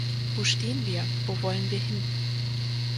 Wo stehen wir, wo wollen wir hin?